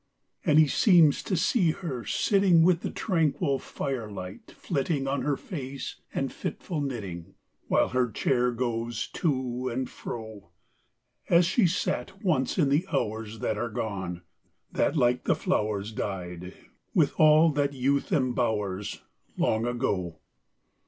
And he seems to see her sitting With the tranquil firelight flitting On her face and fitful knitting, While her chair goes to and fro; As she sat once in the hours That are gone; that, like the flowers, Died, with all that youth embowers, Long ago.